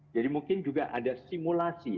jadi mungkin juga ada simulasi